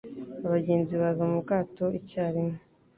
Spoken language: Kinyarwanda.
Abagenzi baza mu bwato icyarimwe.